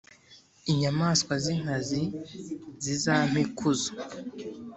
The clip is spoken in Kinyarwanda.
inyamaswa z’inkazi zizampe ikuzo,